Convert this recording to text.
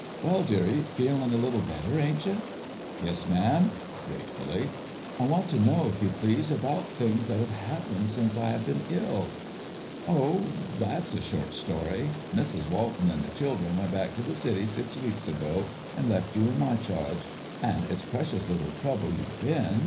"Well, dearie, feelin' a little better, ain't you?" "Yes, ma'am," gratefully. "I want to know, if you please, about things that have happened since I have been ill." "Oh, that's a short story. Mrs. Walton 'n' the children went back t' the city six weeks ago, and left you in my charge. An' it's precious little trouble you've been.